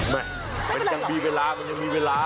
มันยังมีเวลามันยังมีเวลา